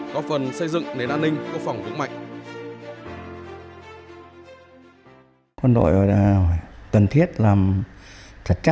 có phần xây dựng nền an ninh cơ phòng hướng mạnh